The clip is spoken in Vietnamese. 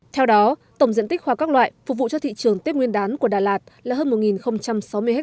theo đó tổng diện tích hoa các loại phục vụ cho thị trường tết nguyên đán của đà lạt là hơn một sáu mươi ha